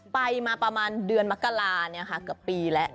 ไปมาประมาณเดือนมากราเนี่ยค่ะก็ปีแล้ว